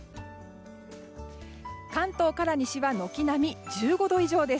関東から西は軒並み１５度以上です。